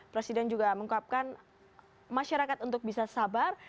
presiden juga menguapkan masyarakat untuk bisa sabar